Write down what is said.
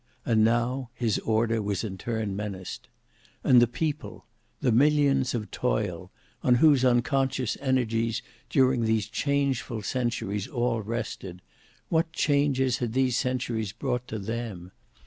And now his order was in turn menaced. And the People—the millions of Toil, on whose unconscious energies during these changeful centuries all rested—what changes had these centuries brought to them?